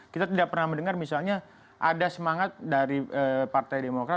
kita tidak pernah mendengar misalnya ada semangat dari partai demokrat